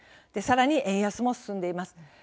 さらに円安も進んでいます。